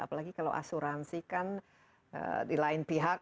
apalagi kalau asuransi kan di lain pihak